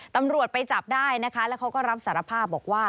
ตำรวจไปจับได้นะคะแล้วเขาก็รับสารภาพบอกว่า